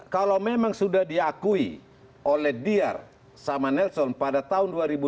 kalau memang sudah diakui oleh diyar sama nelson pada tahun dua ribu dua puluh